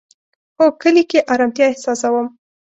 هو، کلی کی ارامتیا احساسوم